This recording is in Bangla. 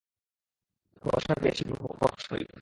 সহসা গৃহে ছিদ্র প্রকাশ পাইল।